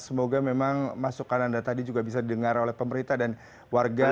semoga memang masukan anda tadi juga bisa didengar oleh pemerintah dan warga